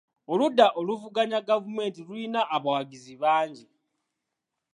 Oludda oluvuganya gavumenti lulina abawagizi bangi.